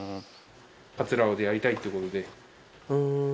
葛尾でやりたいっていうことで。